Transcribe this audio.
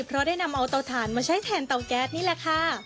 เพราะได้นำเอาเตาถ่านมาใช้แทนเตาแก๊สนี่แหละค่ะ